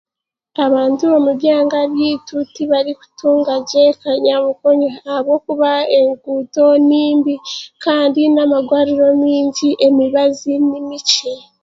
Abantu omu byanga byaitu tibarikutunga gye kanyabukoryo ahabwokuba enkuuto nimbi, kandi n'amarwariro maingi emibazi ni mikye.